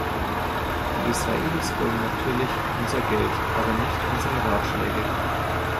Die Israelis wollen natürlich unser Geld, aber nicht unsere Ratschläge.